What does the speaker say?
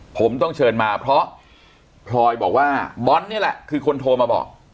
ผมต้องเชิญมาเพราะพลอยบอกว่าบอลนี่แหละคือคนโทรมาบอก